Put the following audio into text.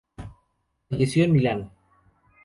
Falleció en Milán.